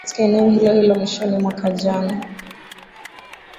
katika eneo hilo hilo mwishoni mwaka jana